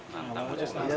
nantang justru nantang